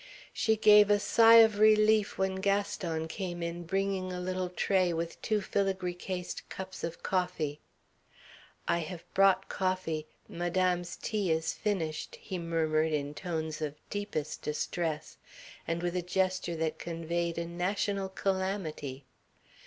She gave a sigh of relief when Gaston came in bringing a little tray with two filigree cased cups of coffee. "I have brought coffee; Madame's tea is finished," he murmured in tones of deepest distress, and with a gesture that conveyed a national calamity.